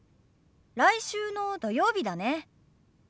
来週の土曜日だね。